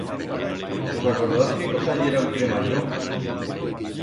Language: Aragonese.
Tos acordaz qué cosa yera un cremallo?